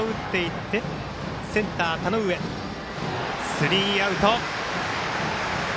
スリーアウト。